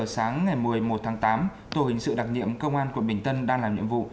sáng ngày một mươi một tháng tám tổ hình sự đặc nhiệm công an quận bình tân đang làm nhiệm vụ